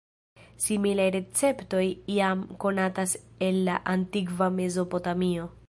Similaj receptoj jam konatas el la antikva Mezopotamio.